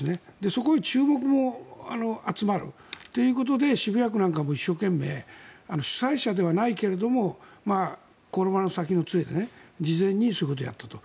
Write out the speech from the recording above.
そこへ注目も集まるということで渋谷区なんかも一生懸命主催者ではないけど転ばぬ先の杖で事前にそういうことをやったと。